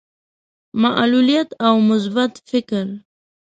معلوليت او مثبت فکر.